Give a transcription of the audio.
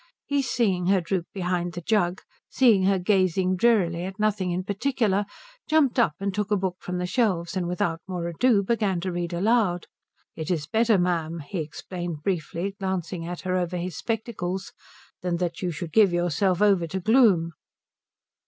He, seeing her droop behind the jug, seeing her gazing drearily at nothing in particular, jumped up and took a book from the shelves and without more ado began to read aloud. "It is better, ma'am," he explained briefly, glancing at her over his spectacles, "than that you should give yourself over to gloom."